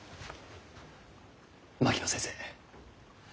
槙野先生